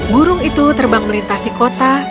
burung itu terbang melintasi kota